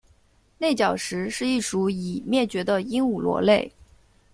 内角石是一属已灭绝的鹦鹉螺类。